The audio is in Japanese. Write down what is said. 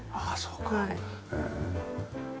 ああそうか。